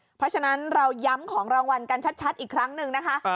เพราะฉะนั้นเราย้ำของรางวัลกันชัดอีกครั้งหนึ่งนะคะ